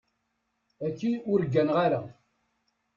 Aki, ur ggan ara.